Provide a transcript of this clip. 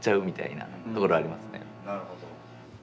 なるほど。